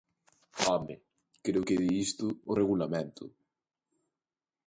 ¡Home!, creo que di isto o Regulamento.